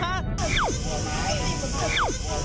อ้าว